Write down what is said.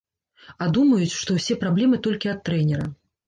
А думаюць, што ўсе праблемы толькі ад трэнера.